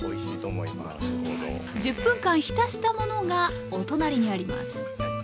１０分間浸したものがお隣にあります。